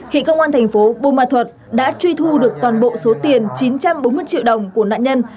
hiện công an thành phố bùa ma thuật đã truy thu được toàn bộ số tiền chín trăm bốn mươi triệu đồng của nạn nhân